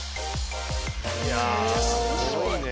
いやあすごいね。